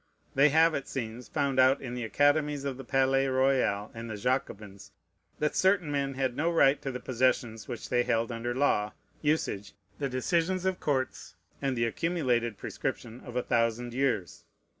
They have, it seems, found out in the academies of the Palais Royal and the Jacobins, that certain men had no right to the possessions which they held under law, usage, the decisions of courts, and the accumulated prescription of a thousand years.